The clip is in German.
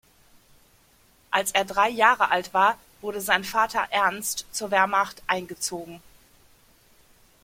Als er drei Jahre alt war, wurde sein Vater Ernst zur Wehrmacht eingezogen.